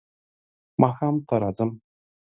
ماښام ته راځم .